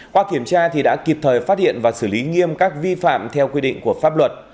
qua kiểm tra thì đã kịp thời phát hiện và xử lý nghiêm các vi phạm theo quy định của pháp luật